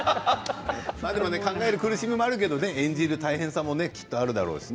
考える苦しみもあるけれども演じる大変さもあるだろうしね。